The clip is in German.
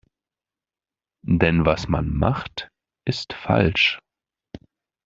Denn was man macht, ist falsch.